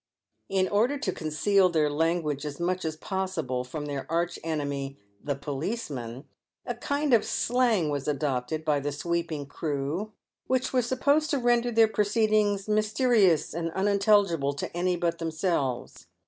In order to conceal their language as much as possible from their arch enemy the policeman, a kind of slang was adopted by the sweeping crew, which was supposed to render their proceedings mysterious and unintelligible to any but themselves.